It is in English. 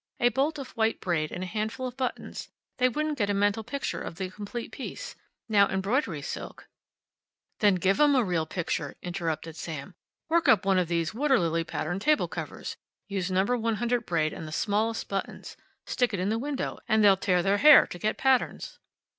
A bolt of white braid and a handful of buttons they wouldn't get a mental picture of the completed piece. Now, embroidery silk " "Then give 'em a real picture!" interrupted Sam. "Work up one of these water lily pattern table covers. Use No. 100 braid and the smallest buttons. Stick it in the window and they'll tear their hair to get patterns."